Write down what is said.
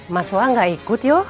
mas wang gak ikut yuk